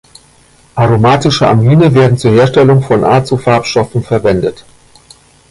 Aromatische Amine werden zur Herstellung von Azofarbstoffen verwendet.